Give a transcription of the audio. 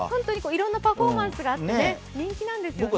いろんなパフォーマンスがあって、人気なんですよね。